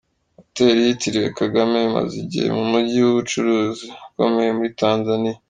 Hoteli yitiriwe Kagame imaze igihe mu mujyi w'ubucuruzi ukomeye muri Tanzania.